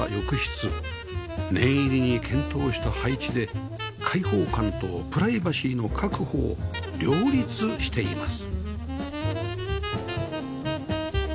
念入りに検討した配置で開放感とプライバシーの確保を両立しています